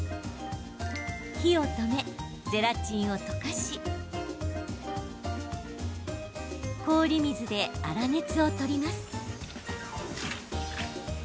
火を止め、ゼラチンを溶かし氷水で粗熱を取ります。